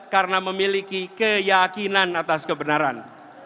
karena memiliki keyakinan atas kebenaran